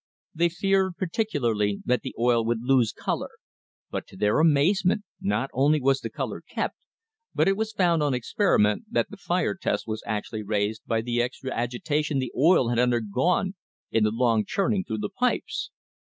They feared particularly that the oil would lose colour, but, to their amazement, not only was the colour kept, but it was found on experiment that the fire test was actually raised by the extra agitation the oil had undergone in the long churning through the pipes.